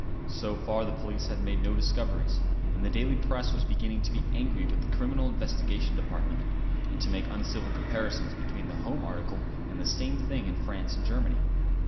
So far the police had made no discoveries, and the daily Press was beginning to be angry with the Criminal Investigation Department; and to make uncivil comparisons between the home article and the same thing in France and Germany.